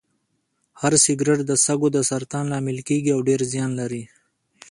هو سګرټ د سږو د سرطان لامل کیږي او ډیر زیان لري